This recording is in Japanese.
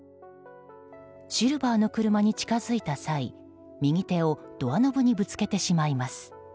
シルバーの車に近づいた際右手をドアノブにぶつけてしまいます。